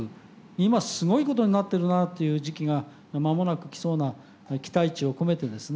今すごいことになっているなあっていう時期が間もなく来そうな期待値を込めてですね